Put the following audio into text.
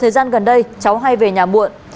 đây cháu hay về nhà muộn